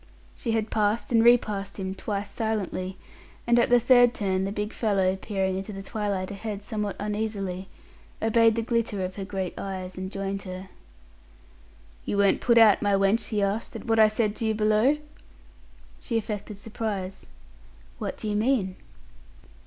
She had passed and repassed him twice silently, and at the third turn the big fellow, peering into the twilight ahead somewhat uneasily, obeyed the glitter of her great eyes, and joined her. "You weren't put out, my wench," he asked, "at what I said to you below?" She affected surprise. "What do you mean?"